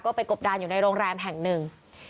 ไปกบดานอยู่ในโรงแรมแห่งหนึ่ง